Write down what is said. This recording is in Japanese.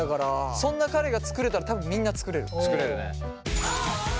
そんな彼が作れたら多分みんな作れる。